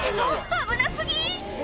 危な過ぎ！